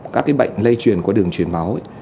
các cái bệnh lây truyền qua đường truyền máu